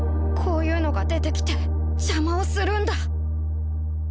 こういうのが出てきて邪魔をするんだ